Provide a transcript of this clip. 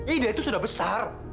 ide itu sudah besar